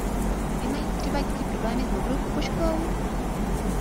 Nemají třeba děti problémy s mokrou pokožkou?